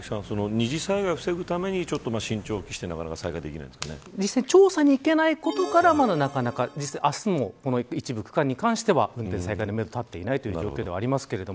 二次災害を防ぐために慎重を置きにしてなかなか再開が調査に行けないことから明日も、一部区間に関しては再開のめどが立っていない状況ですが。